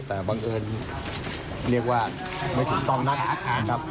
แต่บังเอิญไม่ถึงต้องนับ